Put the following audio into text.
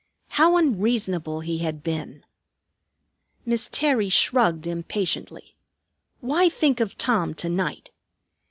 How unreasonable he had been! Miss Terry shrugged impatiently. Why think of Tom to night?